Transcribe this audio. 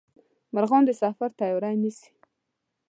مرغان د سفر تیاري نیسي